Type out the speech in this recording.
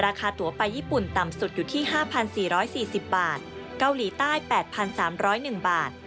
ราคาตัวไปญี่ปุ่นต่ำสุดอยู่ที่๕๔๔๐บาท